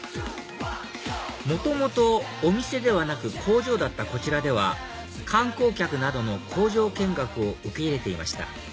元々お店ではなく工場だったこちらでは観光客などの工場見学を受け入れていました